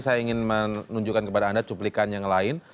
saya ingin menunjukkan kepada anda cuplikan yang lain